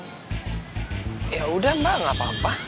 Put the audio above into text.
ya udah mbak nggak apa apa